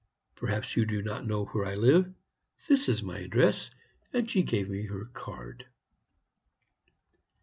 Perhaps you do not know where I live? This is my address,' and she gave me her card.